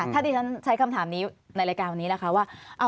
ถ้าดิฉันใช้คำถามนี้ในรายการวันนี้นะคะว่า